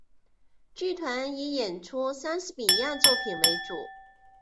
剧团以演出莎士比亚作品为主。